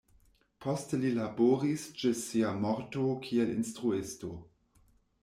Poste li laboris ĝis sia morto kiel instruisto.